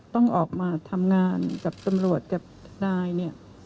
ต้องออกมาทำงานกับตำรวจกับนายเนี่ย